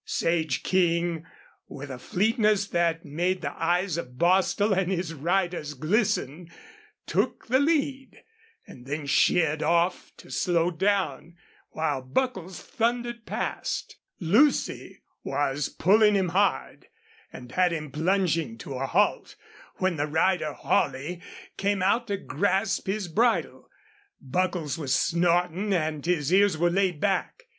Sage King, with a fleetness that made the eyes of Bostil and his riders glisten, took the lead, and then sheered off to slow down, while Buckles thundered past. Lucy was pulling him hard, and had him plunging to a halt, when the rider Holley ran out to grasp his bridle. Buckles was snorting and his ears were laid back.